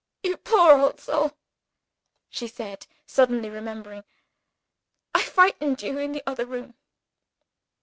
"You poor old soul," she said, suddenly remembering; "I frightened you in the other room."